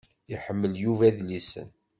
Iḥemmel Yuba idlisen.